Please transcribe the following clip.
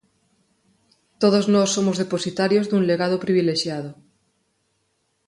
Todos nós somos depositarios dun legado privilexiado.